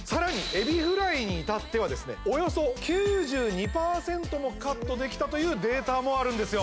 エビフライにいたってはですねおよそ９２％もカットできたというデータもあるんですよ